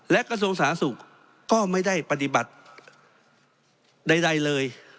และกระทรวงสาธารณสุขก็ไม่ได้ปฏิบัติใดเลย